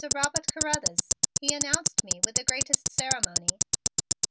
Robert Carruthers," he announced me with the greatest ceremony.